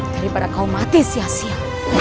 daripada kaum mati sia sia